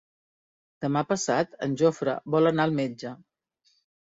Demà passat en Jofre vol anar al metge.